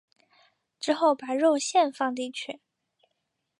之后把肉馅放进去。